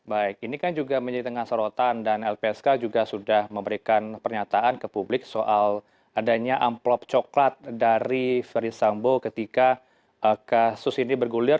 baik ini kan juga menjadi tengah sorotan dan lpsk juga sudah memberikan pernyataan ke publik soal adanya amplop coklat dari ferdisambo ketika kasus ini bergulir